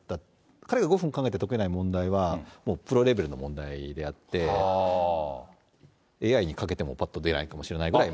彼が５分考えて解けない問題は、もうプロレベルの問題であって、ＡＩにかけても、ぱっと出ないかそうか。